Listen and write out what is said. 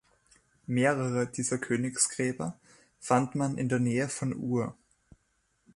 Mehrere dieser Königsgräber fand man in der Nähe von Ur.